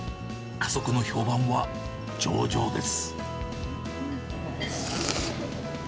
家族の評判は上々です。